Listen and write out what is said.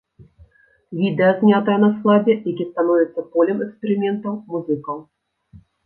Відэа знятае на складзе, які становіцца полем эксперыментаў музыкаў.